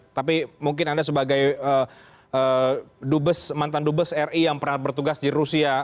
tapi mungkin anda sebagai dubes mantan dubes ri yang pernah bertugas di rusia